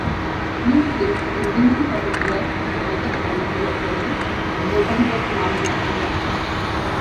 Knudsen was renowned for his work on kinetic-molecular theory and low-pressure phenomena in gases.